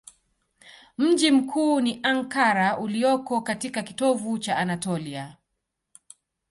Mji mkuu ni Ankara ulioko katika kitovu cha Anatolia.